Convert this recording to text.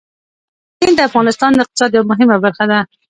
هلمند سیند د افغانستان د اقتصاد یوه مهمه برخه ده.